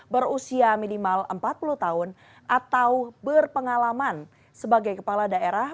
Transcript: berusia minimal empat puluh tahun atau berpengalaman sebagai kepala daerah